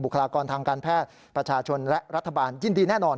คลากรทางการแพทย์ประชาชนและรัฐบาลยินดีแน่นอน